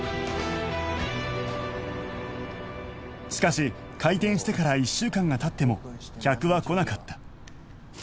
しかし開店してから１週間が経っても客は来なかった